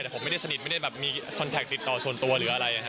แต่ผมไม่ได้สนิทไม่ได้แบบมีคอนแท็กติดต่อส่วนตัวหรืออะไร